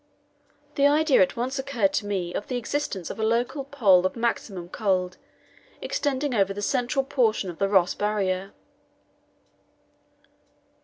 The idea at once occurred to me of the existence of a local pole of maximum cold extending over the central portion of the Ross Barrier.